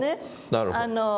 なるほど。